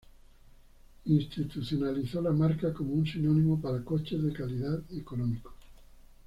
Institucionalizó la marca como un sinónimo para coches de calidad económicos.